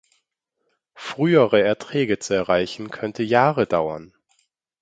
Frühere Erträge zu erreichen, könnte Jahre dauern.